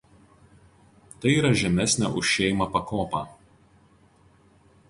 Tai yra žemesnė už "šeimą" pakopą.